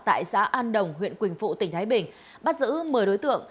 tại xã an đồng huyện quỳnh phụ tỉnh thái bình bắt giữ một mươi đối tượng